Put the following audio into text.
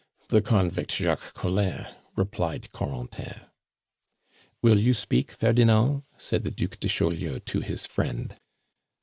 "The convict Jacques Collin," replied Corentin. "Will you speak, Ferdinand?" said the Duke de Chaulieu to his friend.